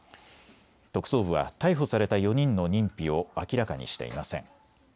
特捜部は逮捕された４人の認否を明らかにしていません。